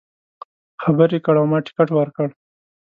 خبر یې کړ او ما ټکټ ورکړ.